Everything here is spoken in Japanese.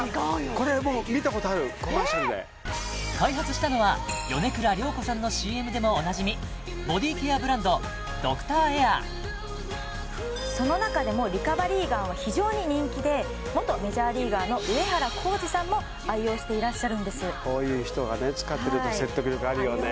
これもう見たことあるコマーシャルで開発したのは米倉涼子さんのＣＭでもおなじみその中でもリカバリーガンは非常に人気で元メジャーリーガーの上原浩治さんも愛用していらっしゃるんですこういう人がね使ってると説得力あるよね